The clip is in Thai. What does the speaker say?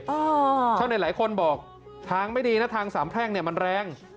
ชาวเน็ตหลายคนบอกทางไม่ดีนะทางสามแพร่งเนี่ยมันแรง